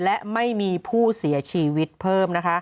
และไม่มีผู้เสียชีวิตเพิ่ม